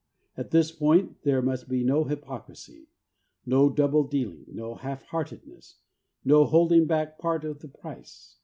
At this point there must be no hypocrisy, no double dealing, no half heartedness, no holding back part of the price.